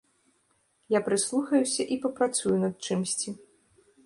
Я прыслухаюся і папрацую над чымсьці.